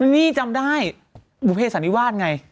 นี่จำได้บูเภสธรรมิวาสไง